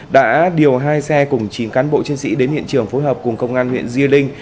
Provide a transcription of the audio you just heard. đã điều hai xe cùng chín cán bộ chiến sĩ đến hiện trường phối hợp cùng công an huyện di linh